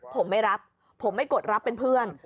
ผมไม่รับผมไม่กดรับเป็นเพื่อน